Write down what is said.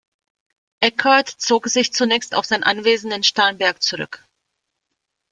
Eckardt zog sich zunächst auf sein Anwesen in Starnberg zurück.